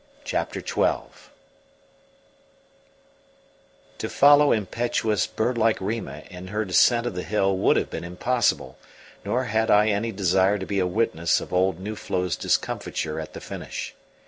CHAPTER XII To follow impetuous, bird like Rima in her descent of the hill would have been impossible, nor had I any desire to be a witness of old Nuflo's discomfiture at the finish.